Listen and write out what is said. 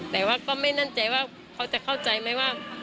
แต่ว่าก็ไม่มั่นใจว่าเขาจะเข้าใจไหมว่า